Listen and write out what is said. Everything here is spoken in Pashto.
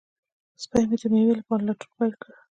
سپی مې د مېوې لپاره لټون پیل کړ.